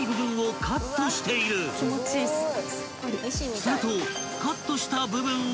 ［するとカットした部分を］